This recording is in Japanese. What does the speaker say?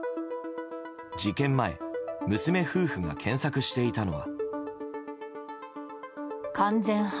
事件前、娘夫婦が検索していたのは。